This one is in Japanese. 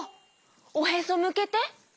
おへそむけて。